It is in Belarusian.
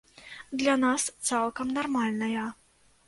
Для нас цалкам нармальная.